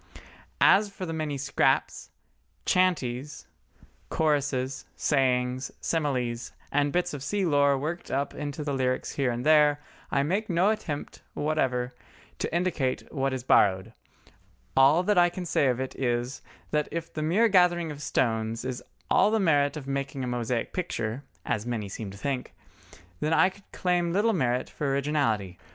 As for the many scraps, "chanties," choruses, sayings, similes, and bits of sea lore worked up into the lyrics here and there, I make no attempt whatever to indicate what is borrowed; all that I can say of it is, that if the mere gathering the stones is all the merit of making a mosaic picture (as many seem to think), then I could claim little merit for originality.